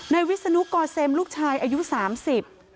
วิศนุกอเซมลูกชายอายุสามสิบ